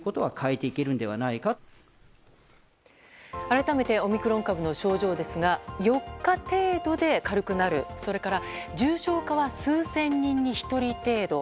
改めてオミクロン株の症状ですが４日程度で軽くなるそれから重症化は数千人に１人程度。